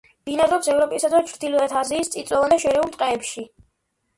ბინადრობს ევროპისა და ჩრდილოეთ აზიის წიწვოვან და შერეულ ტყეებში.